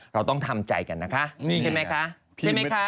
เราต้องทำใจกันนะคะใช่ไหมคะ